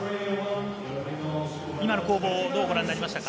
今の攻防どうご覧になりましたか？